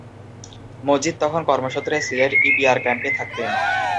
মজিদ তখন কর্মসূত্রে সিলেট ইপিআর ক্যাম্পে থাকতেন।